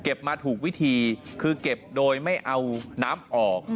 มาถูกวิธีคือเก็บโดยไม่เอาน้ำออก